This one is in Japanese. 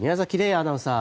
アナウンサー。